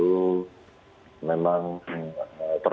memang permasalahan pandemi yang sampai sekarang